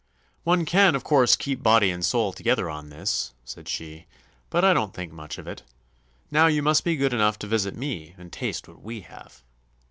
"One can, of course, keep body and soul together on this," said she; "but I don't think much of it. Now you must be good enough to visit me and taste what we have."